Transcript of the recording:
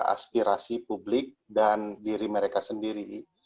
aspirasi publik dan diri mereka sendiri